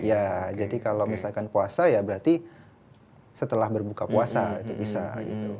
ya jadi kalau misalkan puasa ya berarti setelah berbuka puasa itu bisa gitu